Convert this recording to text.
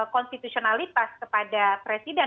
konstitusionalitas kepada presiden